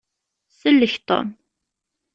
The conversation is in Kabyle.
Sellek Tom!